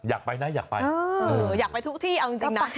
อยากไปนะอยากไปอยากไปทุกที่เอาจริงนะ